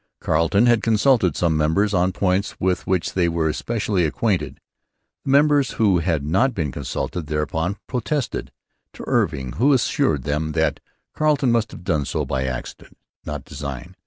Carleton had consulted some members on points with which they were specially acquainted. The members who had not been consulted thereupon protested to Irving, who assured them that Carleton must have done so by accident, not design.